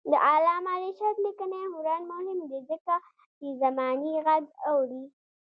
د علامه رشاد لیکنی هنر مهم دی ځکه چې زمانې غږ اوري.